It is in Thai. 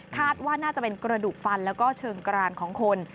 ว่าน่าจะเป็นกระดูกฟันแล้วก็เชิงกรานของคน